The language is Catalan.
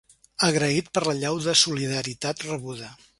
Agraït per l’allau de solidaritat rebuda.